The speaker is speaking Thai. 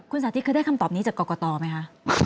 คุณสาธิคือได้คำตอบนี้จากกรกตไหมคะ